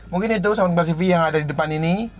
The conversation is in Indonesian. mungkin itu sound class cv yang ada di depan ini